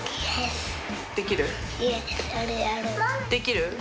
できる？